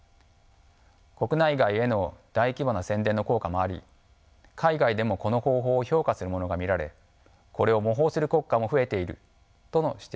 国内外への大規模な宣伝の効果もあり海外でもこの方法を評価するものが見られこれを模倣する国家も増えているとの指摘もあります。